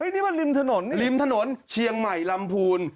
นี่มันริมถนนริมถนนเชียงใหม่ลำพูน